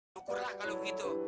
syukurlah kalau begitu